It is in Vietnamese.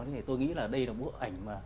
thế thì tôi nghĩ là đây là bộ ảnh